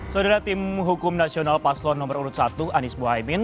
saudara tim hukum nasional paslon nomor urut satu anies mohaimin